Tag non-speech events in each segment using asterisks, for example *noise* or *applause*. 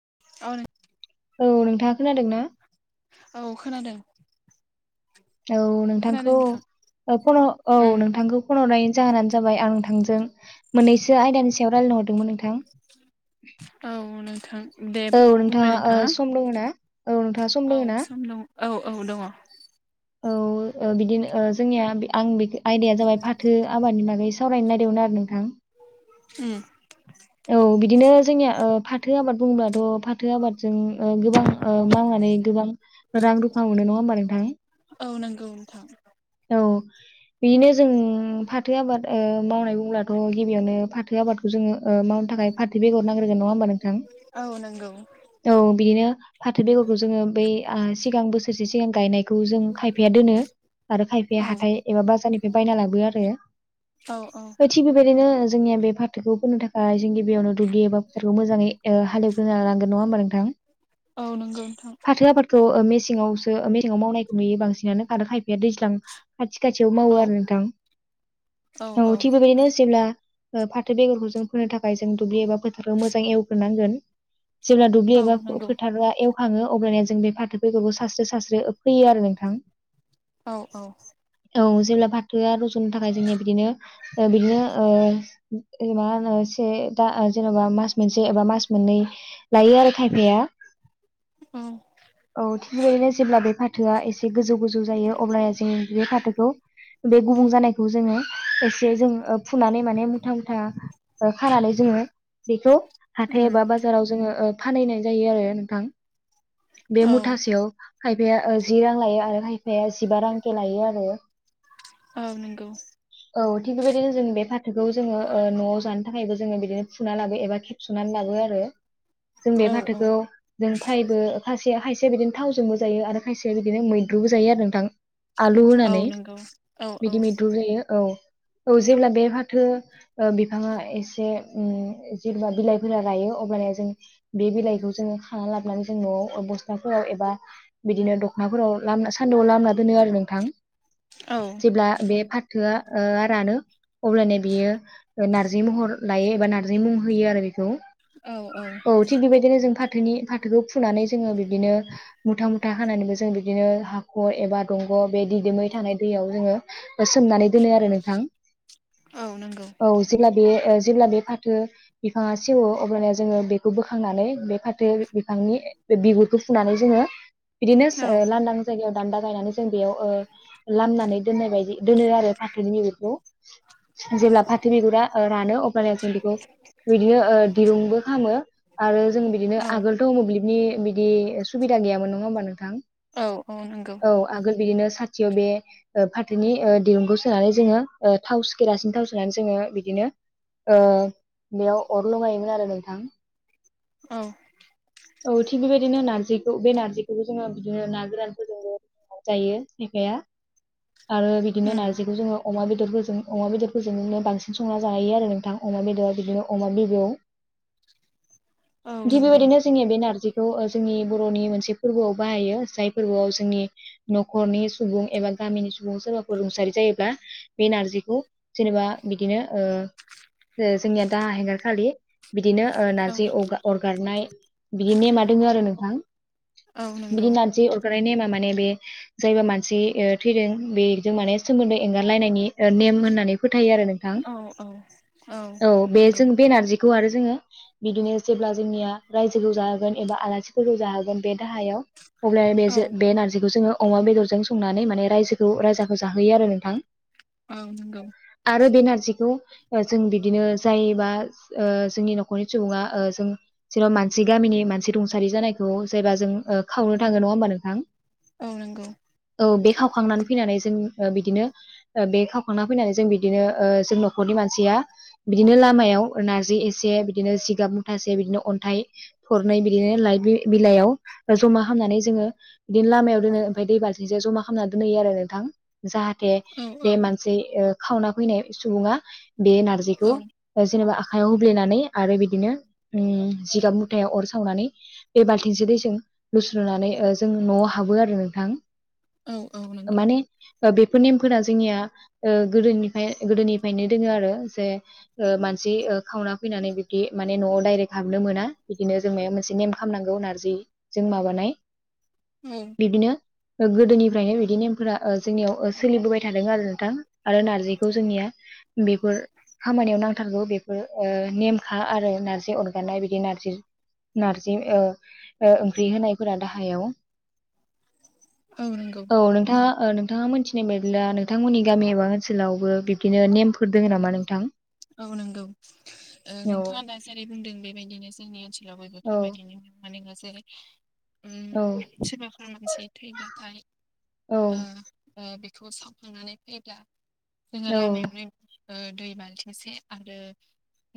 *unintelligible* औ नोंथाङा खोनादों ना? औ खोनादों औ नोंथांखौ खोनादों नोंथां ओ फन औ उम नोंथांखौ फन हरनायनि जाहोनानो जाबाय आं नोथां जों मोननैसो आयदानि सायाव रायलायनो हरदोंमोन नोंथां। औ नोंथां दे औ बुंलाय ओ नोंथाङा सम दङ ना औ नोंथाङा सम औ दङ ना सम दं। औ औ दङ। औ ओ बिदिनो ओ जोंनिया आं बे आयदाया जाबाय फाथो आबादनि बागे नै सावरायनो नायदोंमोन आरो नोंथां। ओम‌। औ बिदिनो जोंनिया ओ फाथो आबाद बुंङब्लाथ' फाथो आबादजों ओ गोबां ओ मावना नै गोबां रां रुफा मोनो नङा हबा नोंथां? औ नंगौ नोंथां। अ बिदिनो जों फाथो आबाद ओ मावनाय बुंब्लाथ' गिबियावनो फाथो आबादखौ जों ङ ओ मावनो थाखाय फाथो बेगर नांग्रोगोन नङा होनबा नो औ नंगौ। औ बिदिनो फाथो बेगरखौ जोङो बै ओ सिगां बोसोरसे सिगां गायनाय खौ जों खायफाया दोनो आरो खायफाया औ हाथाय एबा बाजारनिफ्राय बायना लाबो आरो। औ औ बैथि बो बिदिनो जोंनिया बे फाथोखौ फोनो थाखाय जों गिबियावनो दुब्लि एबा फथारखौ मोजाङै ओ हालेवग्रोना लानांगोन नङा होमबा नोंथां औ नंगौ नोंथां। थ' मेसेंआवसो मेसेंआव मावनायखौ नुयो बांसिनानो खारो खायफाया दैज्लां। खाथि खाथियाव मावो औ आरो नोंथां औ थिग बेबायदिनो जेब्ला फाथो बेगरखौ जों फोनो थाखाय जों दुब्लि एबा फोथारखौ मोजां एवग्रोनांगोन। जेब्ला दुब्लि औ एबा नंगौ फोथारा एव थाङो अब्लानया जों बे फाथोैगबो सारसस्रो सारस्रो फैयो आरो नोंथां। औ औ औ जेब्ला फाथोआ रज'नो थाखाय जोंनि बिदिनो ओ बिदिनो ओ जेनेबा मा होनो एसे दा जेन'बा मास मोनसे एबा मास मोननै लायो आरो खायफाया ओम औ थिग बेबायदिनो जेब्ला बे फाथोआ एसे गोजौ गोजौ जायो अब्लाना जों बे फाथोखौ बे गुबुं जानायखौ जोङो एसे जों ओ फुनानै माने मुथा मुथा ओ खानानै जोङो बेखौ हाथाय उम एबा बाजाराव जोङो ओ फानहैनाय जायो आरो नोंथां बे औ मुथा सेयाव खायफाया ओ जि रां लायो आरो खायफाया जिबा रां के लायो आरो औ नंगौ औ थिग बेबायदिनो जों बे फाथोखौ जोङो ओ न'आव जानो थाखायबो जोङो बिदिनो फुना लाबो एबा खेबस'नानै लाबो यो आरो जों बे औ औ फाथोखौ जोंफ्रायबो खायसेया खायसेया बिदिनो थावजोंबो जायो आरो खायसेया बिदिनो मैद्रुबो जायो आरो नोंथां आलु औ होनानै नंगौ औ औ बिदि मैदुबो जायो औ औ जेब्ला बे फाथो ओ बिफाङा एसे ओम जेब्ला बिलाइफोरा रायो अब्लानिया जों बे बिलाइखौ जोङो खाना लाबोनानै जों न'आव ओ बस्थाफोराव एबा बिदिनो दख'नाफोराव लामना सान्दुंआव लामना दोनो आरो नोंथां औ जेब्ला बे फाथोआ ओ रानो अब्लानिया बियो ओ नार्जि महर लायो एबा नार्जि मुं होयो आरो बे औ औ थिग बेबायदिनो जों फाथोनि फाथोखौ फुनानै जोङो बिदिनो मुथा मुथा खानानैबो जों बिदिनो हाखर एबा दंग' बे दिदोमै थानाय दै बेयाव जोङो ओ सोमनानै दोनो आरो नोंथां औ नंगौ औ जेब्ला बेयो ओ जेब्ला बे फाथो बिफाङा सेवो अब्लाना जोङो बेखौ बोखांनानै बे फाथो बिफांनि बे बिगुरखौ फुनानै जोङो बिदिनो औ ओ लांदां जायगायाव दान्दा गायनानै जों बेयाव ओ लामनानै दोननाय बायदि दोनो आरो फाथोनि बिगुरखौ जेब्ला फाथो बिगुरा ओ रानो अब्लानिया जों बेखौ बिदिनो ओ दिरुंबो खामो आरो जों बिदिनो औ आगोलथ' मोब्लिब नि बिदि ओ सुबिदा गैयामोन नङा होमबा नोंथां औ नंगौ औ आगोल बिदिनो साथियाव बे ओ फाथोनि दिरुंखौ सोनानै जोङो ओ थावस केरासिन थाव सोनानै जोङो बिदिनो नो ओ बेयाव अर लङायोमोन आरो नोंथां औ औ थिग बेबायदिनो नारजिखौ बे नारजिखौबो जोङो बिदिनो ना गोरानफोरजोंबो जायो थोखाया आरो बिदिनो उम नारजिखौ जोङो अमा बेदरफोरजों अमा बेदरफोरजोंनो बांसिन संना जानायायो आरो नोंथां अमा बेदरा बिदिनो अमा बिबौ *unintelligible* औ नंगौ ए बे नारजिखौ ओ जोंनि बर'नि मोनसे फोरबोआव बाहायो जाय फोरबोआव जोंनि न'खरनि सुबुं एबा गामिनि सुबुं सोरबाफोर रुंसारि जायोब्ला बे नारजिखौ जेनेबा बिदिनो ओ जे जोंनिया दा हेंगार खालि बिदिनो ओ औ नार्जि अगा अरगारनाय बिदि नेमा दङो आरो नोंथां औ नंगौ बिनि नारजि अर- गारनाय नेमा माने बे जायबा मानसि ओ थैदों बेजों माने सोमोन्दो एंगारलायनायनि ओ नि नेम होननानै फोथायो आरो नोंथां औ औ औ बे नंगौ जों बे नारजि बेखौ आरो जोङो बिदिनो जेब्ला जोंनिया रायजोखौ जाहोगोन एबा आलासिफोरखौ जाहोगोन बे दाहायाव अब्ला बे औ जो बे नारजिखौ जोङो अमा बेदरजों संनानै माने रायजोखौ राजाखौ जाहोयो आरो नोंथां औ नंगौ आरो बे नार्जि जिखौ ओ जों बिदिनो जायबा ओ जोंनि न'खरनि सुबुङा ओ जों जेना मानसि गामिनि मानसि रुंसारि जानायखौ जायबा जों ओ खावनो थाङो नङा होमबा नोंथां औ नंगौ औ बे खावखांनानै फैनानै जों बिदिनो बे खावखांनानै फैनानै जों बिदिनो ओ जों न'खरनि मा मानसिया बिदिनो लामायाव नारजि एसे, बिदिनो जिगाब मुथासे, बिदिनो अन थाइ थरनै, बिदिनो लाइ बि-बिलाइ जमा खामनानै जोङो बिदिनो लामायाव दोनो। दै बालथिं जमा खालामनानै दोनहोयो आरो नोंथां। जाहाथे औ बे मानसि खावना फैनाय सुबुङा बे नारजिखौ औ जेनेबा आखायाव होब्लेनानै आरो बिदिनो उम जिगाब मुथायाव अर सावनानै बे बाल्थिंसे दैजों लुस्रुनानै ओ जों न'आव हाबो आरो नोंथां। औ औ नंगौ। माने ओ बेफोर नेमफोरा जोंनिया ओ गोदोनिफाय गोदोनिफायनो दोङो आरो जे ओ मानसि सि ओ खावना फैनानै बिदि माने न'आव डाइरेक्ट हाब नो मोना। बिदिनो जों मायबा मोनसे नेम खामनांगौ नारजिजों माबानाय। औ बिदिनो गोदोनिफ्रायनो बिदि नेमफोरा ओ जोंनियाव सोलिबोबाय थादों आरो नोंथां आरो नारजिखौ जोंनिया बेफोर खामानियाव नांथारगौ। बेफोर नेमखा आरो नारजि अर गारनाय बिदि नारजि नारजि ओ ओ ओंख्रि होनायफोरा दाहायाव। औ नंगौ औ नोंथाङा ओ नोंथाङा मोनथिनाय बायदिब्ला नोंथांमोननि गामि एबा ओनसोलावबो बिब्दिनो नेमफोर दोङो नामा नोंथां? औ नंगौ। ओ औ नोंथाङा दा जेरै बुंदों बेबायदिनो जोंनि ओनसो लावबो औ बेफोरबायदिनो माने दा जेरै औ सोरबाफोर मानसि थैब्ला नाथाय औ ओ बेखौ सावखांनानै फैब्ला जोङो लामायावनो ओ दै बाल्थिंसे आरो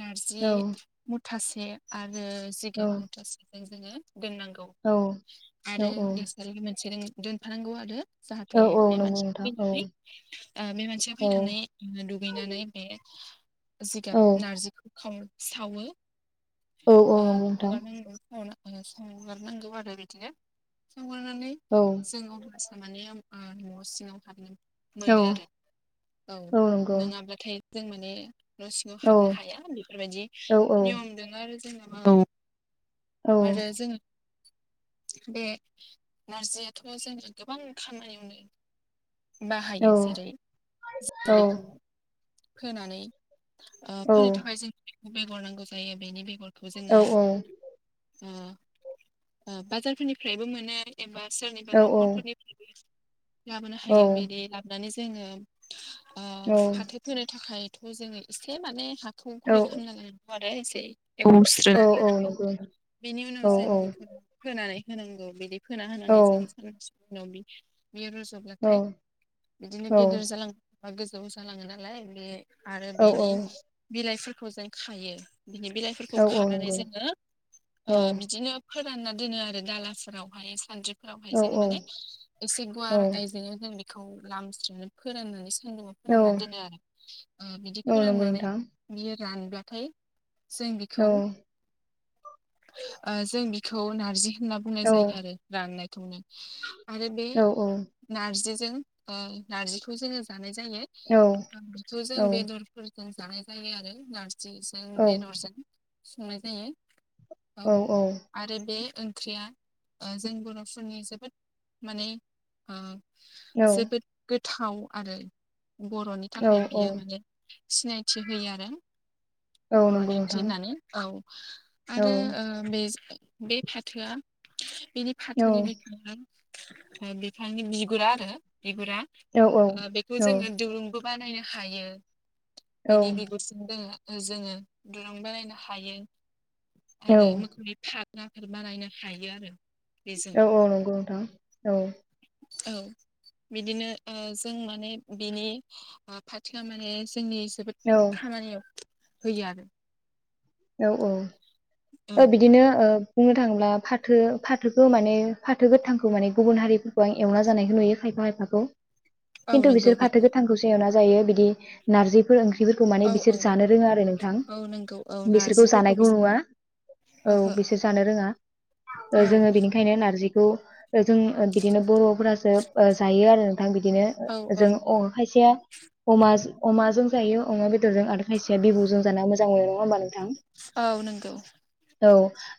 नारजि औ मु थासे आरो औ जिगाब मुथासेजों जोङो दोननांगौ औ आरो गोसारि मोनसे दोनफानांगौ आरो। जाहाथे औ औ बे नंगौ मानसिया नोंथां औ फैनानै ओ बे मानसिया औ फैनानै दुगैनानै बे जिगाब औ नारजिखौ खाव सावो औ *unintelligible* नंगौ नोंथां संगारनांगौ आरो बिदिनो संगारनानै औ जोङो सावनानो ओम ओ न' सिङाव हाबनां औ मोनो आरो। औ नोङाब्लाथाय जों माने न' सिङाव औ हाबनो हाया बेफोरबायदि औ नियम दों आरो जेनेबा। औ आरो जों बे नारजियाथ' जोङो गोबां खामानियावनो बाहायो। जेरै औ बेखौ फोनानै ओ औ फोनो थाखाय जों बेखौ बेगर नांगौ जायो। बेनि बेगरखौ औ जोङो ओ बाजारफोरनिफ्रायबो मोनो एबा सोरनिबा नंगौ न'खरफोरनिफ्रायबो लाबोनो औ हायो। बिदि लाबोनानै जोङो आ फाथो फोनो थाखाय बेखौ जोङो एसे माने हाखौ गुरै औ खामना लानांगौ आरो एसे। एवस्रोनानै लानांगौ। बेनि उनाव जों बेखौ फोनानै होनांगौ बिदि फोना होनानै जों साननोटैसो उनाव बि बियो रज'ब्लाथाय बिदिनो गेदेर जालाङो बा गोजौ जालाङो नालाय बे आरो औ बेनि औ बिलाइफोरखौ जों खायो। बिनि बिलाइफोरखौ औ औ खानानै नंगौ जोङो औ आ बिदिनो फोरानना दोनो आरो दालाफोरावहाय, सानद्रि फोरावहाय औ जोङो औ माने एसे औ गुवार आयजेङाव जों बिखौ लामस्रिनो फोराननानै सान्दुङाव फोरानना दोनो आरो। ओ बिदि औ नंगौ फोराननानै नोंथां बियो रानब्लाथाय जों औ बिखौ ओ जों बिखौ नारजि होनना बुंनाय औ जायो आरो राननायखौनो आरो बे औ नारजि जों ओनारजिखौ जोङो जानाय जायो। औ नारजिखौ जों औ बेदरफोर जों जानाय जायो आरो नारजिजों औ बेदरजों संनाय जायो। औ आरो बे ओंख्रिया ओ जों बर'फोरनि जोबोद माने ओ जोबोद गोथाव आरो बर'नि थाखाय औ बियो माने सिनायथि होयो आरो औ नंगौ नोंथां औ नंगौ बर'नि ओंख्रि नोंथां होननानै औ औ आरो बे बे फाथोआ बेनि फाथोनि बिखङा बिफांनि बिगुरा आरो बिगुरा औ बेखौ औ जोङो दुरुंबो बानायनो हायो ओ बेनि बिगुरसिम दोङ जोङो दुरुं बानायनो हायो आरो मोखौनि फाग फोर बानायनो हायो आरो बेजों औ औ नंगौ नोंथां औ औ बिदिनो ओ जों माने बिनि पारथिआ माने जोंनि जोबोद खामानियाव होयो आरो औ औ औ ओ बिदिनो बुंनो थाङोब्ला फाथो फाथोखौ माने फाथो गोथांखौ माने गुबुन हारिफोरखौ आं एवना जानायखौ नुयो खाय फा खायफाखौ औ खिन्थु नंगौ बिसोर फाथो बेखौ गो थांखौसो एवना जायो बिदि नारजिफोर ओं ख्रिफोरखौ माने औ बिसोर औ जानो रोङा आरो नोंथां औ नंगौ औ बिसोरखौ नारजिफोरखौ जानायखौ बिसोर नुवा औ ओहो बिसोर जानो रोङा औ जोङो बेनिखायनो नारजि खौ जों बिदिनो बर' फोरासो ओ जायो आरो नोंथां बिदिनो औ औ जों खायसेया अमा अमाजों जायो अमा बेदरजों आरो खायसेया बिबौ जाना मोजांमोनो नङा होमबा नोंथां औ नंगौ औ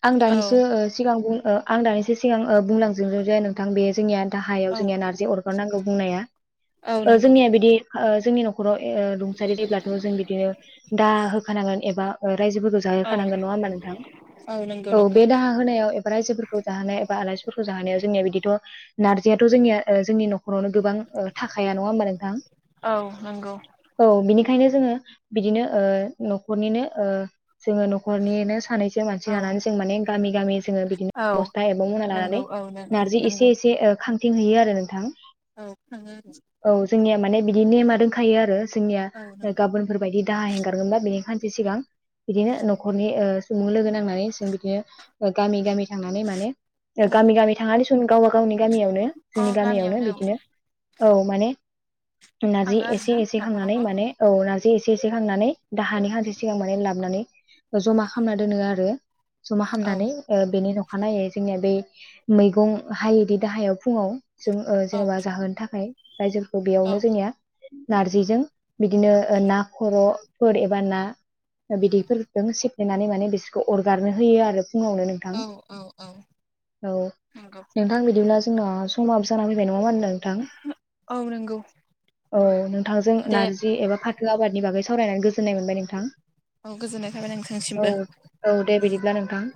आं औ दानिसो ओ सिगां बुं ओ आं दानिसो सिगां ओ बुंलांजज' जे नोंथां बे जोंनिया दाहायाव औ जोंनि नारजि अर गार नांगौ बुंनाया औ ओ नंगौ जोंनिया बिदि ओ जोंनि न'खराव रुंसारि जेब्लाथ' जों बिदिनो दा होखानांगोन एबा रायजोेफोरखौ औ जाहोखानांगोन नङा होमबा नोंथां। नंगौ औ बे नंगौ दाहा होनायाव एबा रायजोफोरखौ जाहोनायाव एबा आलासिफोरखौ जाहोनायाव जोंनिया बिदिथ' नारजियाथ' जोंनिया ओ जोंनि न' खरआवनो गोबां थाखाया नङा हबा नोंथां औ नंगौ औ बिनि खायनो जोङो बिदिनो ओ न'खरनिनो ओ जोङो न'खरनिनो सानैसो मानसि औ लानानै जों माने गामि गामि जोङो बिदिनो औ बबस्था एबा मना लानानै नंगौ औ नों नार्जि नंगौ एसे एसे ओ खांथिंहैयो आरो नोंथां। औ खाङो औ जोंनिया माने बिदि नेमा दोंखायो आरो जोंनिया औ नों गाबोनफोरबायायदि दाहा हेंगारगोनबा बेनि खानसे सिगां बिदिनो न'खरनि ओ सुबुं लोगो नांनानै जों बिदिनो गामि गामि थांनानै माने उम गामि गामि थाङा दिसुन गावबा गावनि गामियावनो अ जोंनि गामियावनो औ बिदिनो औ माने नारजि खाङो एसे आरोना एसे न'खर खांनानै न'खर माने औ नारजि एसे एसे खांनानै दाहानि खानसे सिगां माने लाबनानै जमा खालामना दोनो आरो जमा औ खालामनानै बेनि अखानायनायै जोंनिया बे मैगं हायोदि गाहायाव फुङाव जों ओ औ जेनेबा जाहोनो थाखाय रायजोफोरखौ औ बेयावनो जोंनिया नारजिजों बिदिनो ना खर' फोर एबा ना बिदैफोरजों सिफ्लेनानै माने बिसोरखौ अरगारनो होयो आरो फुङावनो नोंथां औ औ औ औ नंगौ नोंथां बिदि जोंना समाबोजाना फैबाय नङा *unintelligible* *unintelligible* औ औ नंगौ नोंथांजों दे नारजि एबा फाथो आबादनि बागै सावरायनानै गोजोननाय मोनबाय नोंथां। औ गोजोननाय थाबाय औ नोंथांसिमबो औ दे उम बिदिब्ला नोंथां। *inaudible*